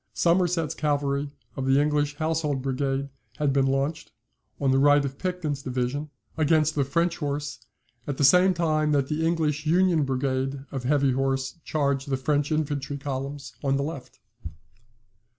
Somerset's cavalry of the English Household Brigade had been launched, on the right of Picton's division, against the French horse, at the same time that the English Union Brigade of heavy horse charged the French infantry columns on the left.